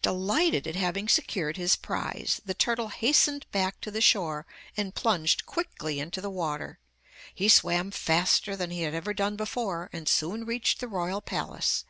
Delighted at having secured his prize, the turtle hastened back to the shore and plunged quickly into the water. He swam faster than he had ever done before, and soon reached the royal palace.